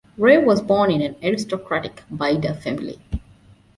Ray was born in an aristocratic Baidya family.